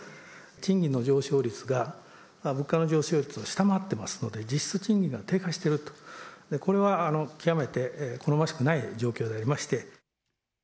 賃金の上昇率が物価の上昇率を下回ってますので、実質賃金が低下していると、これは極めて好ましくない状況でありまして。